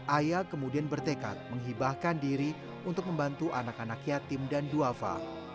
ayah kemudian bertekad menghibahkan diri untuk membantu anak anak yatim dan duafa